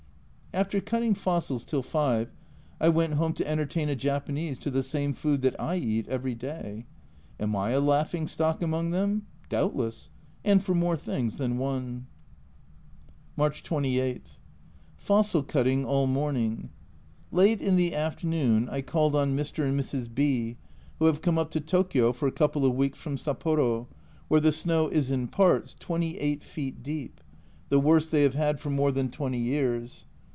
After cutting fossils till 5, I went home to entertain a Japanese to the same food that I eat every day. Am I a laughing stock among them ? Doubtless, and for more things than one. March 28. Fossil cutting all morning. Late in the afternoon I called on Mr. and Mrs. B , who have come up to Tokio for a couple of weeks from Sapporo, where the snow is in parts 28 feet deep the worst they have had for more than twenty years.